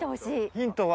ヒントは。